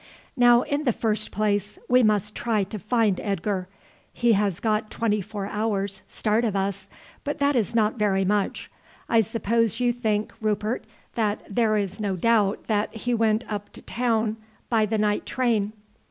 "Now, in the first place, we must try to find Edgar. He has got twenty four hours' start of us, but that is not very much. I suppose you think, Rupert, that there is no doubt that he went up to town by the night train."